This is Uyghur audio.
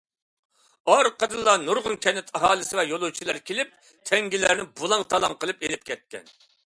ئارقىدىنلا نۇرغۇن كەنت ئاھالىسى ۋە يولۇچىلار كېلىپ، تەڭگىلەرنى بۇلاڭ- تالاڭ قىلىپ ئېلىپ كەتكەن.